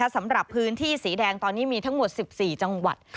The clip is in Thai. สำหรับพื้นที่สีแดงตอนนี้มีทั้งหมด๑๔จังหวัด